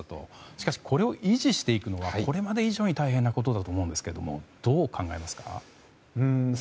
しかし、これを維持していくのはこれまで以上に大変なことだと思うんですがどう考えますか？